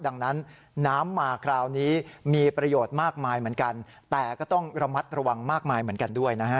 ดังนั้นน้ำมาคราวนี้มีประโยชน์มากมายเหมือนกัน